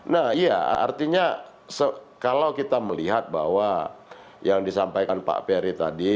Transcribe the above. nah iya artinya kalau kita melihat bahwa yang disampaikan pak ferry tadi